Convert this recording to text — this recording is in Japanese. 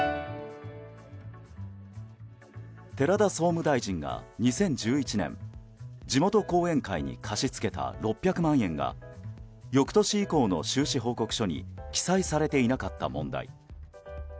寺田総務大臣が２０１１年地元後援会に貸し付けた６００万円が翌年以降の収支報告書に記載されていなかった問題。